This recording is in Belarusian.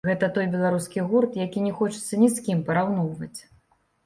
Гэта той беларускі гурт, які не хочацца ні з кім параўноўваць.